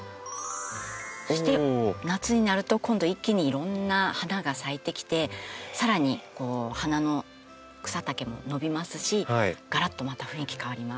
そして夏になると今度は一気にいろんな花が咲いてきてさらに花の草丈も伸びますしがらっとまた雰囲気変わります。